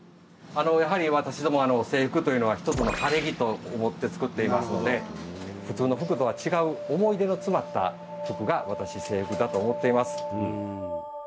やはり私ども制服というのは一つの晴れ着と思って作っていますので普通の服とは違う思い出の詰まった服が私制服だと思っています。